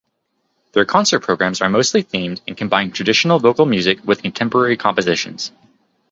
Their concert programs are mostly themed and combine traditional vocal music with contemporary compositions.